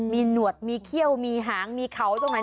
มีหนวดมีเขี้ยวมีหางมีเขาตรงไหน